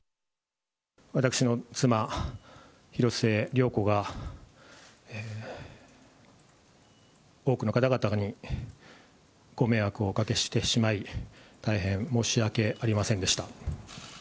私の妻、広末涼子が、多くの方々にご迷惑をおかけしてしまい、大変申し訳ありませんでした。